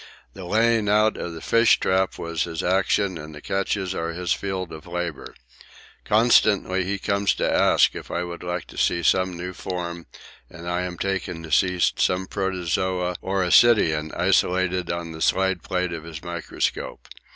The laying out of the fish trap was his action and the catches are his field of labour. Constantly he comes to ask if I would like to see some new form and I am taken to see some protozoa or ascidian isolated on the slide plate of his microscope.